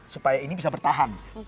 supaya ini bisa bertahan